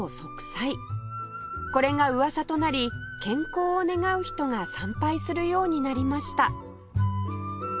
これがうわさとなり健康を願う人が参拝するようになりました